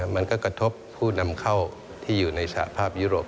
มันก็กระทบผู้นำเข้าที่อยู่ในสภาพยุโรป